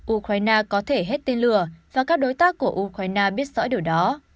ukraine có thể hết tên lửa và các đối tác của ukraine biết rõ điều đó